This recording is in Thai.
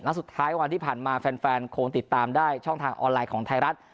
สุดท้ายวันที่ผ่านมาแฟนคงติดตามได้ช่องทางออนไลน์ของไทยรัฐ